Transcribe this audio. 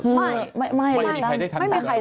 ไม่ไม่มีใครได้ทัน